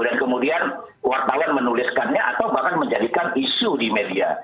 dan kemudian wartawan menuliskannya atau bahkan menjadikan isu di media